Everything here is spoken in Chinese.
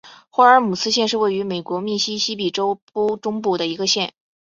霍尔姆斯县是位于美国密西西比州中部的一个县。